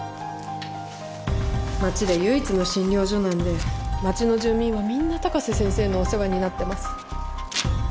町で唯一の診療所なんで町の住民はみんな高瀬先生のお世話になってます。